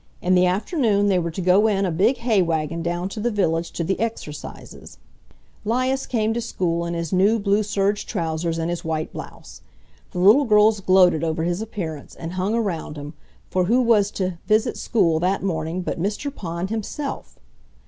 In the afternoon they were to go in a big hay wagon down to the village to the "exercises." 'Lias came to school in his new blue serge trousers and his white blouse. The little girls gloated over his appearance, and hung around him, for who was to "visit school" that morning but Mr. Pond himself!